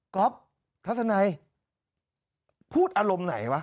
กอล์ฟทัศนาผู้อารมณ์ไหนวะ